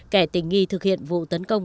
kẻ tình nghi thực hiện vụ tấn công